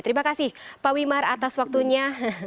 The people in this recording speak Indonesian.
terima kasih pak wimar atas waktunya